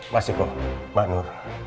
mas iko mbak nur